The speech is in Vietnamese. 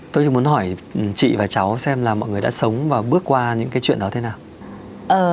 tôi chỉ muốn hỏi chị và cháu xem là mọi người đã sống và bước qua những cái chuyện đó thế nào